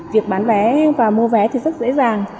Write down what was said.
việc bán vé và mua vé thì rất dễ dàng